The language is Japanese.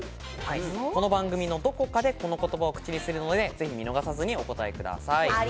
この番組のどこかでこの言葉を口にするので、ぜひ見逃さずにお答えください。